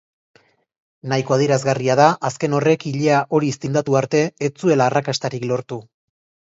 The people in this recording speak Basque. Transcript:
Nahiko adierazgarria da azken horrek ilea horiz tindatu arte ez zuela arrakastarik lortu.